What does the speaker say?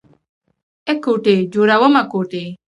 ای کوټې جوړومه کوټې.